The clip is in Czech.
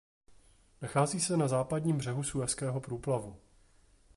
Nachází se na západním břehu Suezského průplavu.